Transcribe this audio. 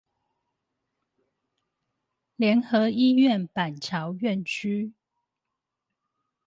聯合醫院板橋院區